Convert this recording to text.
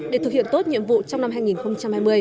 để thực hiện tốt nhiệm vụ trong năm hai nghìn hai mươi